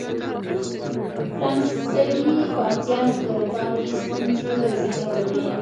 فرانسوي پوځیانو په اروپا کې ستونزې وزېږولې.